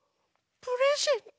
プレゼント？